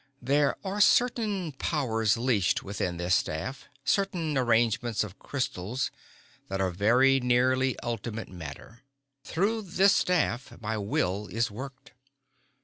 There are certain powers leashed within this staff, certain arrangements of crystals that are very nearly ultimate matter. Through this staff my will is worked.